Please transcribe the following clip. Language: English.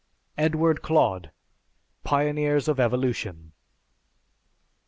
(_Edward Clodd: "Pioneers of Evolution."